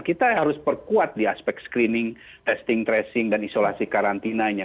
kita harus perkuat di aspek screening testing tracing dan isolasi karantinanya